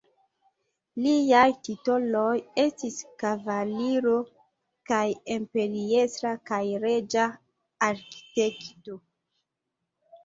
Liaj titoloj estis kavaliro kaj imperiestra kaj reĝa arkitekto.